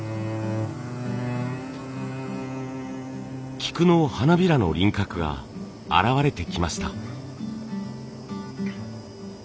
菊の花びらの輪郭が現れてきました。